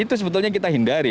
itu sebetulnya kita hindari